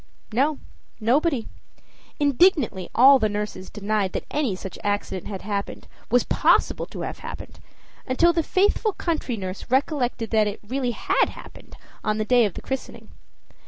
No, nobody. Indignantly, all the nurses denied that any such accident had happened, was possible to have happened, until the faithful country nurse recollected that it really had happened on the day of the christening.